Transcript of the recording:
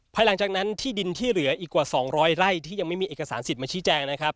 ภายหลังจากนั้นที่ดินที่เหลืออีกกว่า๒๐๐ไร่ที่ยังไม่มีเอกสารสิทธิ์มาชี้แจงนะครับ